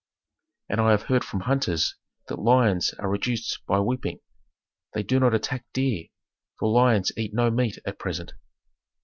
"And I have heard from hunters that lions are reduced by weeping; they do not attack deer, for lions eat no meat at present."